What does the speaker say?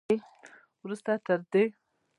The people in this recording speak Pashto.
وروسته تر دې